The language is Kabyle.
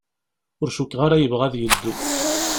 Ur cukkeɣ ara yebɣa ad yeddu.